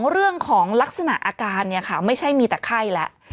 เรื่องของลักษณะอาการเนี่ยค่ะไม่ใช่มีแต่ไข้แล้ว